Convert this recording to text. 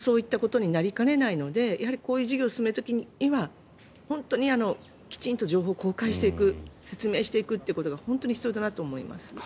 それによって再エネということがまた進まないというそういったことになりかねないのでこういう事業を進める時には本当にきちんと情報を公開していく、説明していくということが本当に必要だなと思います。